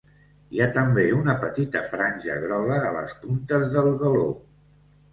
Hi ha també una petita franja groga a les puntes del galó.